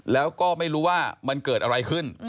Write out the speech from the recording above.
แล้วก็ไม่รู้ว่ามันเกิดอะไรขึ้น